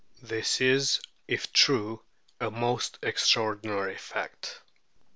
This is, if true, a most extraordinary fact.